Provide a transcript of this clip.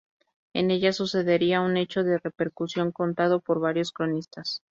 En ella sucedería un hecho de repercusión contado por varios cronistas.